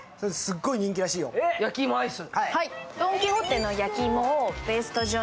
焼き芋アイス。